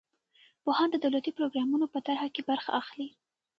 پوهان د دولتي پروګرامونو په طرحه کې برخه اخلي.